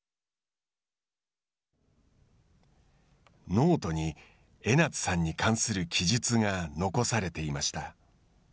ノートに江夏さんに関する記述が残されていました。